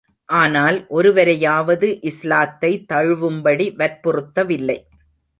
ஆனால், ஒருவரையாவது இஸ்லாத்தை தழுவும்படி வற்புறுத்தவில்லை.